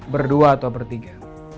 berdua atau bertiga